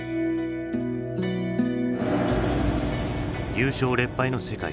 優勝劣敗の世界。